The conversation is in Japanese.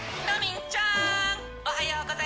おはよう。